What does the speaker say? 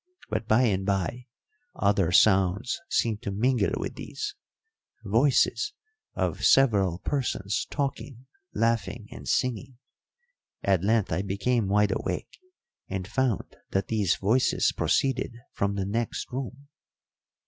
But by and by other sounds seemed to mingle with these voices of several persons talking, laughing, and singing. At length I became wide awake, and found that these voices proceeded from the next room.